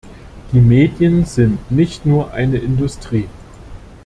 Die Medien sind nicht nur eine Industrie.